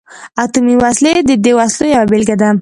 اتمي وسلې د دې وسلو یوه بیلګه ده.